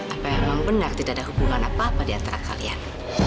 apa yang memang benar tidak ada hubungan apa apa di antara kalian